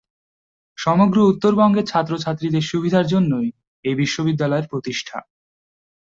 সমগ্র উত্তরবঙ্গের ছাত্রছাত্রীদের সুবিধার জন্যই এই বিশ্ববিদ্যালয়ের প্রতিষ্ঠা।